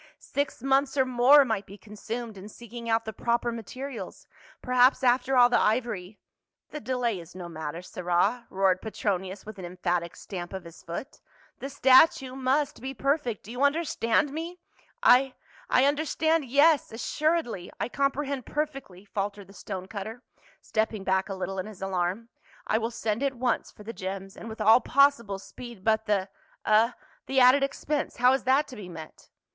" Six months or more might be consumed in seeking out the proper materials ; perhaps after all the ivory —" "The delay is no matter, sirrah," roared Petronius with an emphatic stamp of his foot. " The statue must be perfect. Do you understand me?" " I — I understand, yes — a.ssuredly, I comprehend perfectly," faltered the stone cutter, stepping back a little in his alarm. " I will send at once for the gems, and with all possible speed ; but the — ah — the added expense, how is that to be met?"